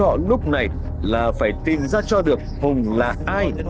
họ lúc này là phải tìm ra cho được hùng là ai